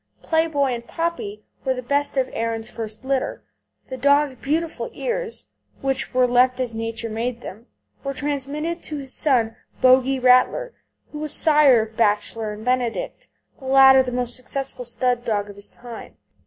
Play Boy and Poppy were the best of Erin's first litter. The dog's beautiful ears, which were left as Nature made them, were transmitted to his son Bogie Rattler, who was sire of Bachelor and Benedict, the latter the most successful stud dog of his time.